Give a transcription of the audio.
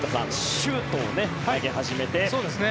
シュートを投げ始めて。